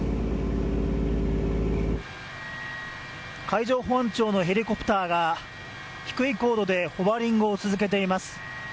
海上保安庁のヘリコプターが低い高度でホバーリングを続けています。